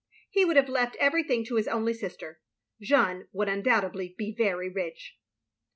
He would have left every thing to his only sister. Jeanne would undoubt edly be very rich.